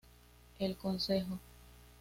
El Consejo".